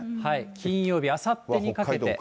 金曜日あさってにかけて。